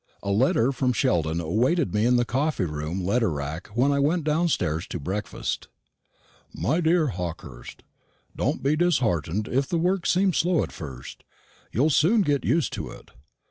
A letter from Sheldon awaited me in the coffee room letter rack when I went downstairs to breakfast. "MY DEAR HAWKEHURST, Don't be disheartened if the work seems slow at first. You'll soon get used to it.